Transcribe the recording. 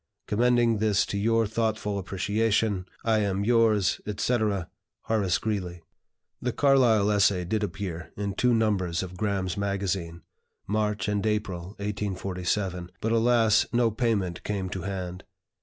Commending this to your thoughtful appreciation, I am, yours, etc. "HORACE GREELEY." The Carlyle essay did appear in two numbers of "Graham's Magazine" (March and April, 1847), but alas, no payment came to hand.